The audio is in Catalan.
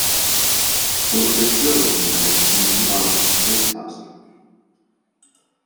La direcció dels interessos municipals és fàcil.